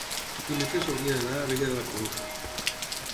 dimecres hauria d'anar a Abella de la Conca.